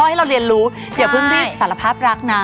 อย่าเพิ่งพิบสารภาพรักนะ